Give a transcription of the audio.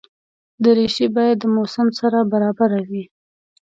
دریشي باید د موسم سره برابره وي.